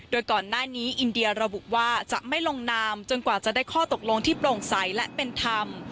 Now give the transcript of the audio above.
โดยก่อนหน้านี้อินเดียระบุว่าจะไม่ลงนามจนกว่าจะได้ข้อตกลงที่โปร่งใสและเป็นธรรม